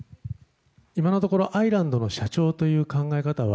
今のところアイランドの社長という考え方は。